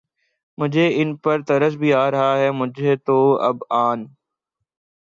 مجھے ان پر ترس بھی آ رہا ہے، مجھے تو اب ان